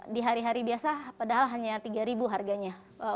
di hari hari biasa padahal hanya tiga harganya